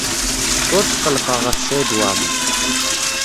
Ur tqellqeɣ ɣef Saɛid Waɛmaṛ.